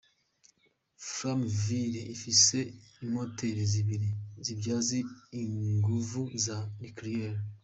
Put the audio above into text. Flamanville ifise imoteri zibiri zivyaza inguvu za "nucleaire".